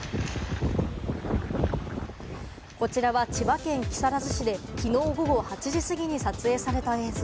こちらは千葉県木更津市できのう午後８時過ぎに撮影された映像。